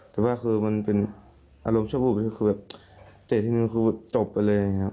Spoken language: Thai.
แต่ว่ามันเป็นอารมณ์ชวบวูบคือเตะที่นึงคือจบไปเลย